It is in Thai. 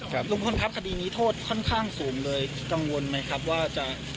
ลุงพลครับคดีนี้โทษค่อนข้างสูงเลยกังวลไหมครับว่าจะ